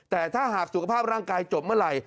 แต่ถ้าหากสุขภาพร่างกายจบเมื่อไหร่